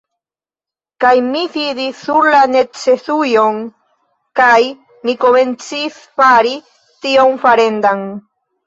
Kaj mi sidis sur la necesujon, kaj mi komencis fari tion farendan.